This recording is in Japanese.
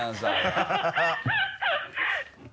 ハハハ